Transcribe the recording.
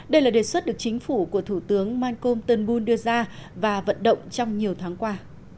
đây là đề xuất được chính phủ của thủ tướng malcolm turnbull đưa ra và vận động trong nhiều tháng qua